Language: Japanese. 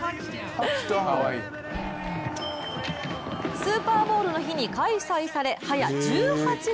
スーパーボウルの日に開催され早１８年。